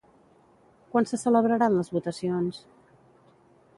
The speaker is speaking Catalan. Quan se celebraran les votacions?